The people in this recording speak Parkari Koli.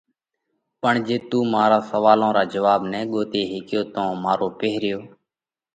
پڻ جي تُون سوئالون را جواڀ نہ ڳوتي هيڪيو تو مارو پيرهيون